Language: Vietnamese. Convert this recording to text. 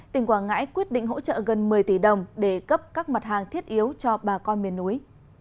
tỉnh quảng ngãi quyết định hỗ trợ gần một mươi tỷ đồng để cấp các mặt hàng thiết yếu cho bà con miền núi